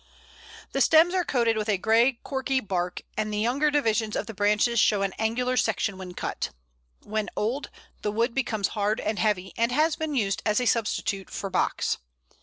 The stems are coated with a grey corky bark, and the younger divisions of the branches show an angular section when cut. When old, the wood becomes hard and heavy, and has been used as a substitute for Box.